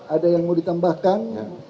ada yang mau ditambahkan